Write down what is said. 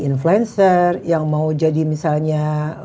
influencer yang mau jadi misalnya